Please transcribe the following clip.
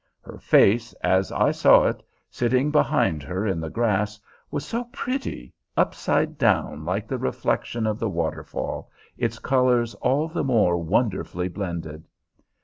Her face, as I saw it, sitting behind her in the grass, was so pretty upside down like the reflection of the waterfall, its colors all the more wonderfully blended.